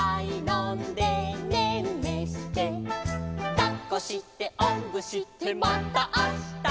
「だっこしておんぶしてまたあした」